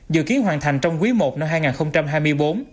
dự kiến hoàn thành trong quý i năm hai nghìn hai mươi bốn